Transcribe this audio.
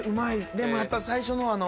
でもやっぱ最初のあの。